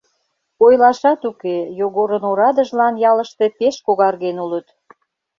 Ойлашат уке, Йогорын орадыжлан ялыште пеш когарген улыт.